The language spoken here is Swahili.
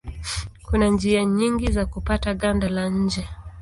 Kuna njia nyingi za kupata ganda la nje.